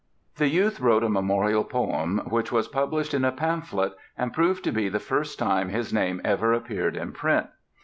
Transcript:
The youth wrote a memorial poem which was published in a pamphlet and proved to be the first time his name ever appeared in print.